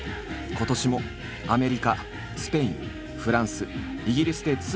今年もアメリカスペインフランスイギリスでツアーを開催。